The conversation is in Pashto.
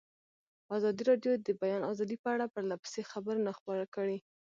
ازادي راډیو د د بیان آزادي په اړه پرله پسې خبرونه خپاره کړي.